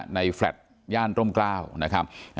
แฟลต์ย่านร่มกล้าวนะครับ